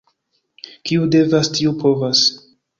Kiu devas, tiu povas.